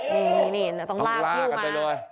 นี่ต้องลากผู้มา